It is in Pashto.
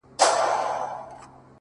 o ځمه ويدېږم ستا له ياده سره شپې نه كوم؛